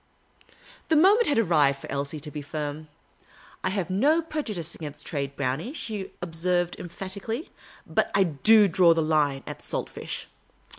The moment had arrived for Elsie to be firm. " I have no prejudice against trade, Brownie," she observed emphati cally, " but I do draw the line at salt fish."